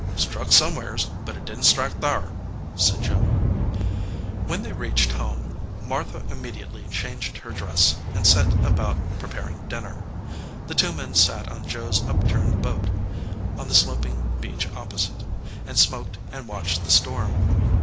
"Struck somewheres, but it didn t strike thar," said Joe. When they reached home Martha immediately changed her dress and set about preparing dinner. The two men sat on Joe s upturned boat, on the sloping beach opposite, and smoked and watched the storm.